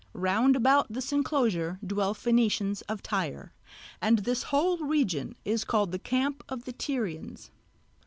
Round about this enclosure dwell Phenicians of Tyre, and this whole region is called the Camp of the Tyrians.